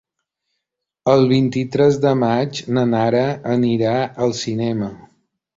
El vint-i-tres de maig na Nara anirà al cinema.